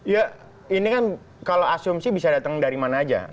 ya ini kan kalau asumsi bisa datang dari mana aja